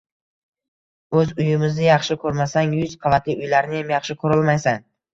O‘z uyimizni yaxshi ko‘rmasang, yuz qavatli uylarniyam yaxshi ko‘rolmaysan.